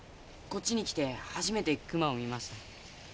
こっちに来て初めて熊を見ました。